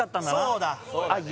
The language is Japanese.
そうだ